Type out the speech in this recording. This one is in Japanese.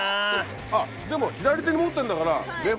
あっでも左手に持ってるんだから。